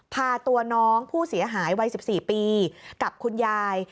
พาตัวน้องผู้เสียหายวัย๑๔ปีกับคุณยาย